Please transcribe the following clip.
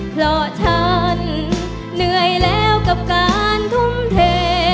เพราะฉันเหนื่อยแล้วกับการทุ่มเท